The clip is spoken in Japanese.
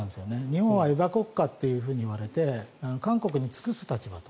日本はエバ国家といわれて韓国に尽くす立場。